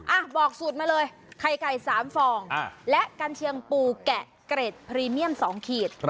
อ่ะบอกสูตรมาเลยไข่ไก่๓ฟองและกัญเชียงปูแกะเกร็ดพรีเมียม๒ขีด